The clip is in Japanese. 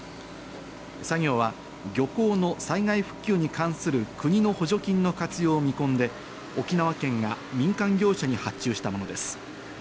作業は漁港の災害復旧に関する国の補助金の活用を見込んで沖縄県が民間業者に発注したものです。